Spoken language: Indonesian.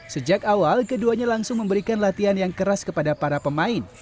sejak awal keduanya langsung memberikan latihan yang keras kepada para pemain